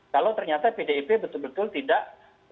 kalau ternyata pdip betul betul tidak